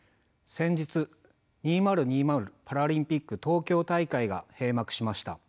先日２０２０パラリンピック東京大会が閉幕しました。